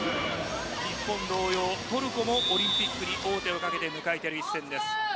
日本同様トルコもオリンピックに王手をかけて迎えている一戦です。